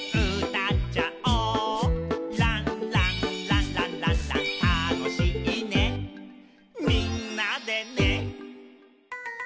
「たのしいねみんなでね」